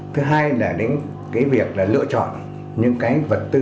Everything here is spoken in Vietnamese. thứ hai là đến cái việc là lựa chọn những cái vật tư